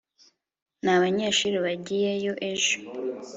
nta banyeshuri bagiyeyo ejo